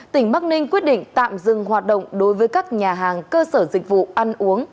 tỉnh bắc ninh quyết định tạm dừng hoạt động đối với các nhà hàng cơ sở dịch vụ ăn uống